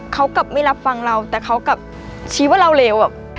เขากลับไม่รับฟังเราแต่เขากลับชี้ว่าเราเลว